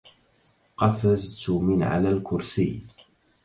قفزت من على الكرسي.